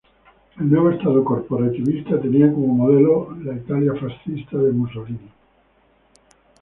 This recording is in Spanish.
El nuevo Estado, corporativista, tenía como modelo la Italia fascista de Mussolini.